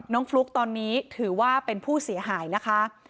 ฟลุ๊กตอนนี้ถือว่าเป็นผู้เสียหายนะคะ